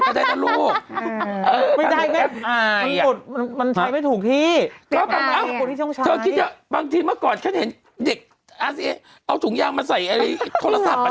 แต่ได้ตลอดมันใช้ไม่ถูกที่เขาบอกแล้วบางทีเมื่อก่อนฉันเห็นเด็กเอาถุงยางมาใส่ไอ้โทรศัพท์